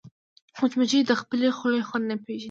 مچمچۍ د خپلې خولې خوند نه پېژني